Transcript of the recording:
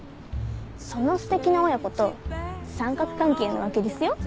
そのすてきな親子と三角関係なわけですよ。